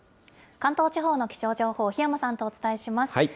関東地方の気象情報、檜山さんとお伝えします。